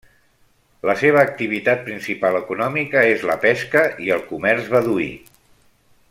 La seva activitat principal econòmica és la pesca i el comerç beduí.